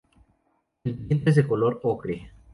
El vientre es de color ocre.